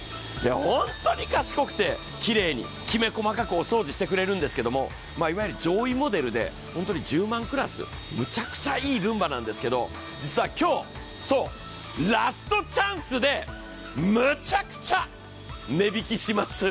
本当に賢くてきれいにきめ細かくお掃除してくれるんですけれどもいわゆる上位モデルで本当に１０万クラスむちゃくちゃいいルンバなんですけど、実は今日、ラストチャンスでむちゃくちゃ値引きします。